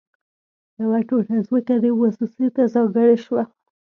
يوه ټوټه ځمکه دې مؤسسې ته ځانګړې شوه